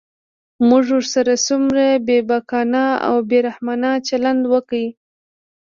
موږ ورسره څومره بېباکانه او بې رحمانه چلند وکړ.